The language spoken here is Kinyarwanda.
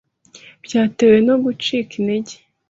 byatewe no gucika intege